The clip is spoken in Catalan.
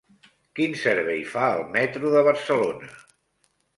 Quin servei fa el metro de Barcelona?